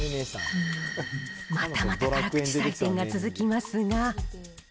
またまた辛口採点が続きますが。